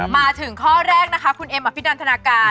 มาถึงข้อแรกนะคะคุณเอ็มอภินันทนาการ